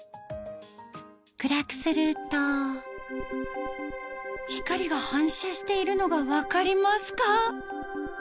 暗くすると光が反射しているのが分かりますか？